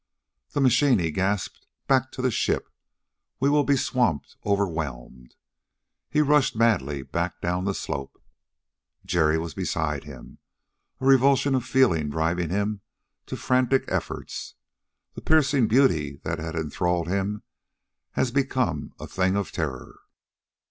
"The machine!" he gasped. "Back to the ship! We'll be swamped, overwhelmed...." He rushed madly back down the slope. Jerry was beside him, a revulsion of feeling driving him to frantic efforts. The piercing beauty that had enthralled him has become a thing of terror.